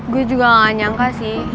gue juga gak nyangka sih